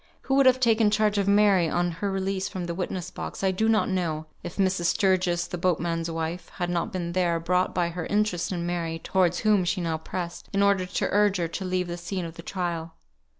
Who would have taken charge of Mary on her release from the witness box I do not know, if Mrs. Sturgis, the boatman's wife, had not been there, brought by her interest in Mary, towards whom she now pressed, in order to urge her to leave the scene of the trial.